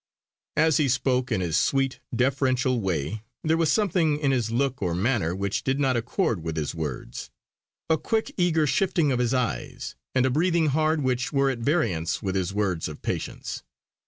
As he spoke in his sweet, deferential way there was something in his look or manner which did not accord with his words; a quick eager shifting of his eyes, and a breathing hard which were at variance with his words of patience.